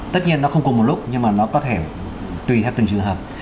tất nhiên nó không cùng một lúc nhưng mà nó có thể tùy theo từng trường hợp